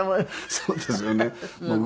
そうですよね。